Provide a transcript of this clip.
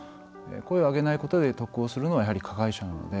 声を上げないことで得をするのはやはり加害者なので。